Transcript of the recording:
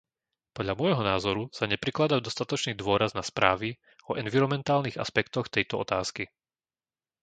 Podľa môjho názoru sa neprikladá dostatočný dôraz na správy o environmentálnych aspektoch tejto otázky.